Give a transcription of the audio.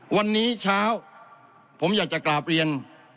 วันนี้เช้าผมอยากจะกราบเรียน